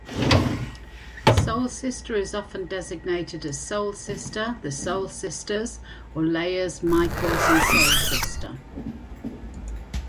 Soulsister is often designated as SoulSister, the Soul Sisters or Leyers, Michiels and SoulSister.